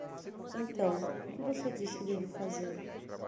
Então, o que você diz que devo fazer?